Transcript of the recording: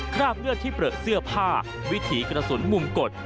คราบเลือดที่เปลือกเสื้อผ้าวิถีกระสุนมุมกด